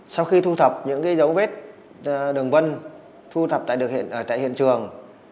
sau khi thu thập những dấu vết đường vân thu thập tại hiện trường